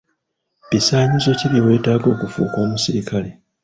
Bisaanyizo ki bye weetaaga okufuuka omusirikale?